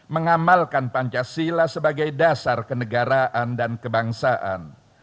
mengamalkan pancasila sebagai dasar kenegaraan dan kebangsaan